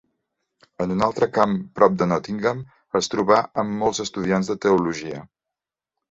En un altre camp, prop de Nottingham, es trobà amb molts estudiants de teologia.